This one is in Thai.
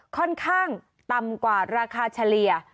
ค่อนข้างต่ำกว่าราคาเฉลี่ย